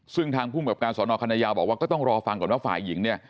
ซึ่งทางภูมิกับการสอนอคณะยาวบอกว่าก็ต้องรอฟังก่อนว่าฝ่ายหญิงเนี่ย